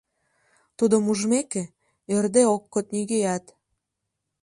Тудым ужмеке, ӧрде ок код нигӧат.